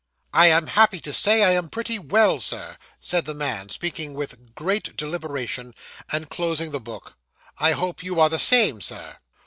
'I am happy to say, I am pretty well, Sir,' said the man, speaking with great deliberation, and closing the book. 'I hope you are the same, Sir?